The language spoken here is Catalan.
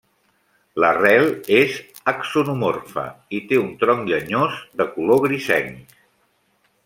L'arrel és axonomorfa i té un tronc llenyós de color grisenc.